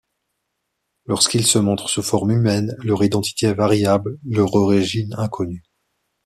Lorsqu’ils se montrent sous forme humaine, leur identité est variable, leur origine inconnue.